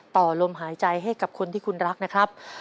ต่อลมหายใจให้กับคนที่คุณรักนะครับ